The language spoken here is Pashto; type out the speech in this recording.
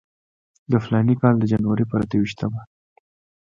د فلاني کال د جنورۍ پر اته ویشتمه.